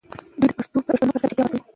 دوی د پوښتنو پر ځای چوپتيا غوره کوي.